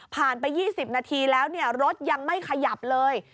ไป๒๐นาทีแล้วรถยังไม่ขยับเลย